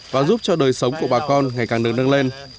và giúp cho đời sống của bà con ngày càng nướng nướng lên